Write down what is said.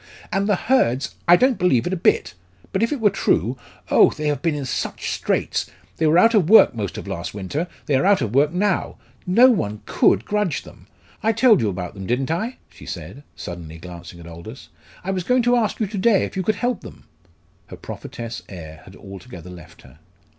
"And the Hurds I don't believe it a bit! But if it were true oh! they have been in such straits they were out of work most of last winter; they are out of work now, No one could grudge them. I told you about them, didn't I?" she said, suddenly glancing at Aldous. "I was going to ask you to day, if you could help them?" Her prophetess air had altogether left her.